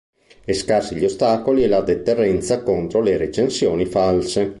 E scarsi gli ostacoli e la deterrenza contro le recensioni false.